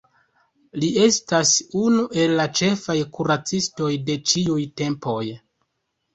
Li estas unu el la ĉefaj kuracistoj de ĉiuj tempoj.